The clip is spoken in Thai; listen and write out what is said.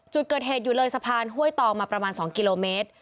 จุดเกิดเหตุอยู่เลยสะพานห้วยตองมาประมาณ๒กิโลเมตร